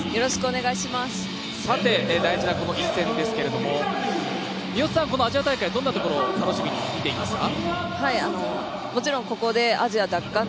さて大事なこの一戦ですけれども、三好さんはこのアジア大会どんなところを楽しみに見ていますか？